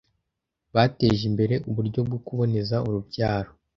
bateje imbere uburyo bwo kuboneza urubyaro